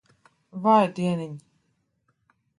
Vai dieniņ.